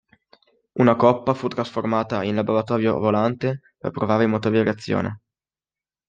Una coppa fu trasformata in laboratorio volante per provare i motori a reazione.